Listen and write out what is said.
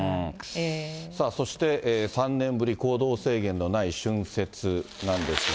そして、３年ぶり行動制限のない春節なんですが。